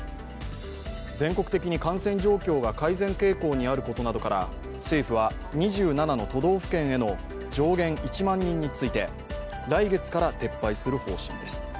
全国的に感染状況が改善傾向にあることなどから政府は２７の都道府県への上限１万人について来月から撤廃する方針です。